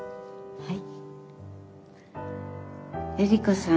はい。